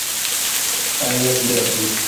Al la diablo!